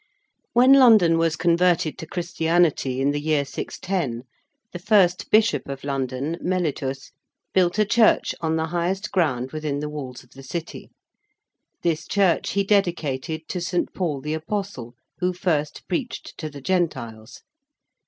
When London was converted to Christianity, in the year 610, the first Bishop of London, Mellitus, built a church on the highest ground within the walls of the City. This church he dedicated to St. Paul the Apostle who first preached to the Gentiles.